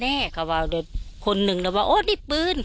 แน่เขาว่าเดียวคนหนึ่งเห็นว่าโอ้วนี่เปื้อน